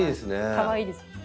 かわいいです。